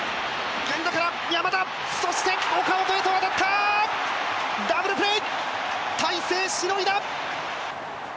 源田から山田、そして岡本へと渡った、ダブルプレー、大勢しのいだ！